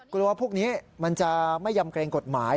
พวกนี้มันจะไม่ยำเกรงกฎหมาย